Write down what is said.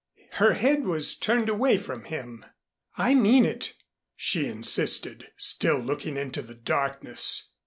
Her head was turned away from him. "I mean it," she insisted, still looking into the darkness.